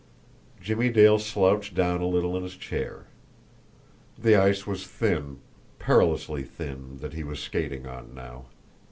Jimmie Dale slouched down a little in his chair. The ice was thin, perilously thin, that he was skating on now.